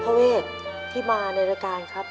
เวทที่มาในรายการครับ